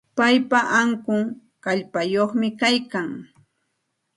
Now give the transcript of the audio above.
Paypa ankun kallpayuqmi kaykan.